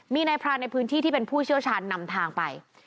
มีนายพรานในพื้นที่ที่เป็นผู้เชี่ยวชาญนำทางไป